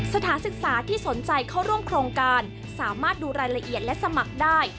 สถานศึกษาที่สนใจเข้าร่วมโครงการสามารถดูรายละเอียดและสมัครได้